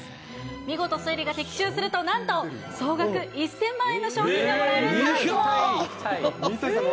見事推理が的中すると、なんと総額１０００万円の賞金がもらえるチャンスも。